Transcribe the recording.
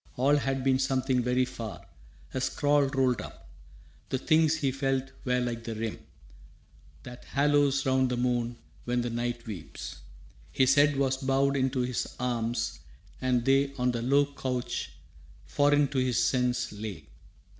All had been something very far, a scroll Rolled up. The things he felt were like the rim That haloes round the moon when the night weeps. His head was bowed into his arms, and they On the low couch, foreign to his sense, lay.